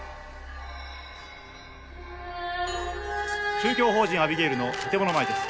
宗教法人アビゲイルの建物前です。